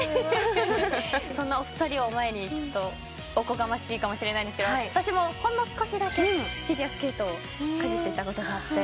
そんなお二人を前におこがましいかもしれないんですが私もほんの少しだけフィギュアスケートをかじっていたことがあって。